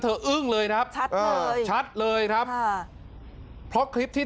อึ้งเลยครับชัดเลยชัดเลยครับค่ะเพราะคลิปที่